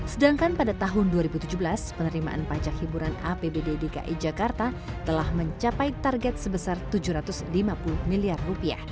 sedangkan pada tahun dua ribu tujuh belas penerimaan pajak hiburan apbd dki jakarta telah mencapai target sebesar rp tujuh ratus lima puluh miliar